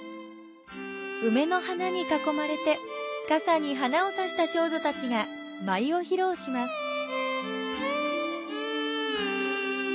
梅の花に囲まれて、笠に花を刺した少女たちが舞を披露します。